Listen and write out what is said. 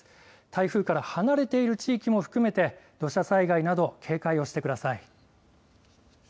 台風から離れている地域も含めて土砂災害など警戒をしてください。